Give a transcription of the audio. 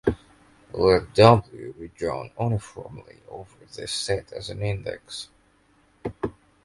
Let W be drawn uniformly over this set as an index.